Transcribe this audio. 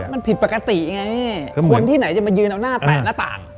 มันผิดปกติไงคนที่ไหนจะมายืนเอาหน้าแปะหน้าต่าง